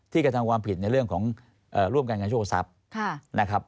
กระทำความผิดในเรื่องของร่วมกันกับโชคทรัพย์นะครับ